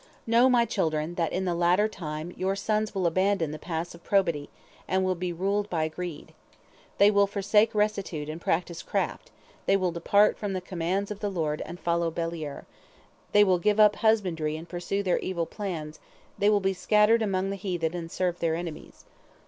"Know, my children, that in the latter time your sons will abandon the paths of probity, and will be ruled by greed. They will forsake rectitude and practice craft, they will depart from the commands of the Lord and follow after Beliar, they will give up husbandry and pursue their evil plans, they will be scattered among the heathen and serve their enemies.